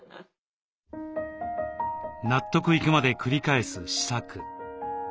納得いくまで繰り返す試作。